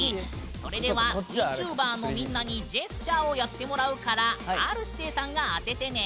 それではＶＴｕｂｅｒのみんなにジェスチャーをやってもらうからＲ‐指定さんが当ててね！